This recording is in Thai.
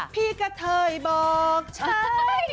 พี่กะเทยบอกใช่